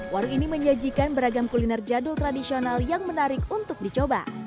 warung ini menyajikan beragam kuliner jadul tradisional yang menarik untuk dicoba